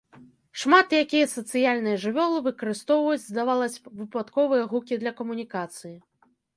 Шмат якія сацыяльныя жывёлы выкарыстоўваюць, здавалася б, выпадковыя гукі для камунікацыі.